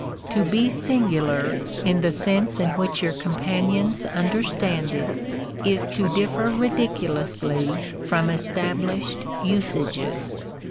To be singular, in the sense in which your compan ions understand it, is to differ ridiculously from established usages.